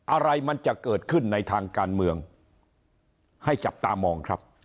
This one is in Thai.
อะไรมันจะเกิดขึ้นในทางการเมืองให้จับตามองครับ